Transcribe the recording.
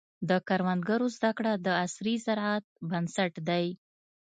د کروندګرو زده کړه د عصري زراعت بنسټ دی.